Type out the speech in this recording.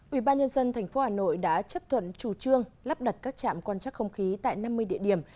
ubnd tp hà nội đã chấp thuận chủ trương lắp đặt các trạm quan trắc không khí tại năm mươi địa điểm